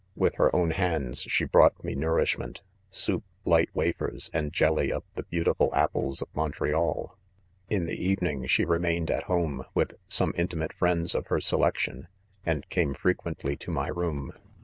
With her own hands she brought' me nourish ment— soup, light wafers, and jelly of the beau THE CONFESSIONS. 14>U tiful apples of Montreal. In the evening she remained' at home, with some intimate friends of her selection; and came frequently to my loom.